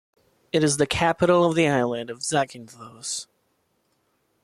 It is the capital of the island of Zakynthos.